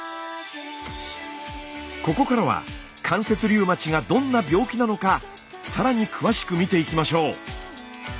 ここからは関節リウマチがどんな病気なのかさらに詳しく見ていきましょう。